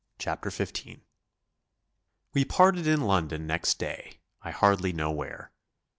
CHAPTER FIFTEEN We parted in London next day, I hardly know where.